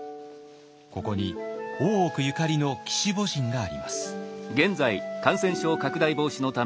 ここに大奥ゆかりの鬼子母神があります。